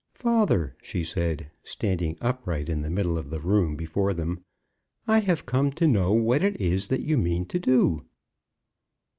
"Father," she said, standing upright in the middle of the room before them, "I have come to know what it is that you mean to do?"